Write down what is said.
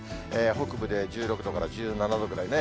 北部で１６度から１７度ぐらいね。